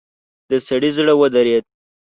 د سړي زړه ودرېد.